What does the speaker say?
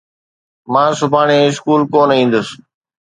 مان سڀاڻي اسڪول ڪونہ ايندس.